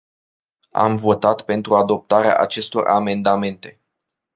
Am votat pentru adoptarea acestor amendamente.